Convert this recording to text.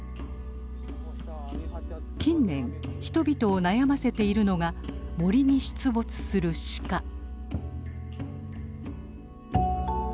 近年人々を悩ませているのが森に出没するシカ。